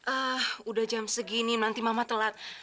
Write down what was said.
ah udah jam segini nanti mama telat